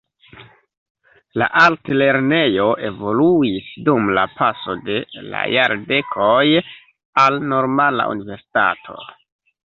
La altlernejo evoluis dum la paso de la jardekoj al normala universitato.